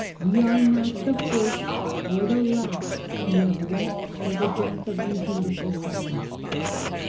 We are not the first or the last who have wept for the death of undutiful sons."